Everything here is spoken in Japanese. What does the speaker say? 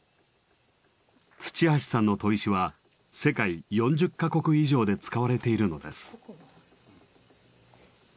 土橋さんの砥石は世界４０か国以上で使われているのです。